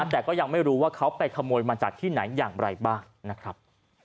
แต่ก็ยังไม่รู้ว่าเขาไปขโมยมาจากที่ไหนอย่างไรบ้างนะครับ